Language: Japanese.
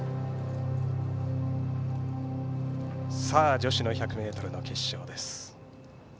女子の１００ｍの決勝です。